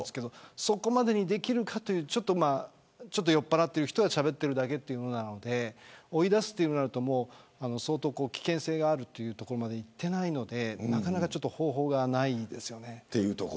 そこまでできるかというと酔っぱらっている人がしゃべっているだけということだけなので追い出すとなると危険性があるというところまでいっていないのでなかなか方法がないですよね。